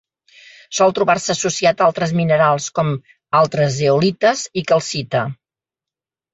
Sol trobar-se associat a altres minerals com: altres zeolites i calcita.